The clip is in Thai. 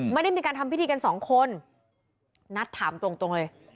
ไม่ได้มีการทำพิธีกันสองคนนัทถามตรงเลย